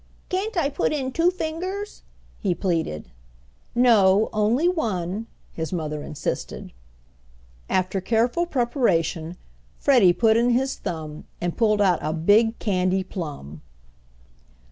"Can't I put in two fingers?" he pleaded. "No; only one!" his mother insisted. After careful preparation Freddie put in his thumb and pulled out a big candy plum!